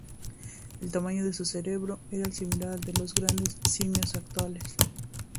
El tamaño de su cerebro era similar al de los grandes simios actuales.